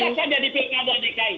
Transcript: biasa jadi pk dan dki